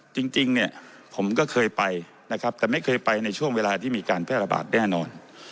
จริงเนี่ยผมก็เคยไปนะครับแต่ไม่เคยไปในช่วงเวลาที่มีการแพร่ระบาดแน่นอน